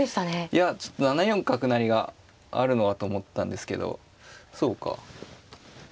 いやちょっと７四角成があるのはと思ったんですけどそうか。